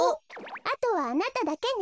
あとはあなただけね。